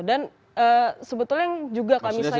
dan sebetulnya juga kami sayangkan